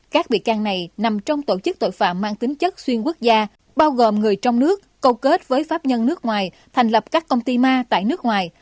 các bị can này nằm trong tổ chức tội phạm mang tính chất xuyên quốc gia bao gồm người trong nước câu kết với pháp nhân nước ngoài thành lập các công ty ma tại nước ngoài